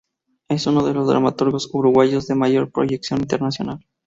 Es uno de los dramaturgos uruguayos de mayor proyección internacional.